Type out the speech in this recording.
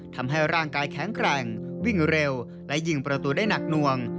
ทำให้ร่างกายแข็งแกร่งวิ่งเร็วและยิงประตูได้หนักหน่วง